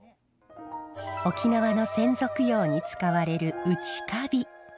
沖縄の先祖供養に使われるうちかび。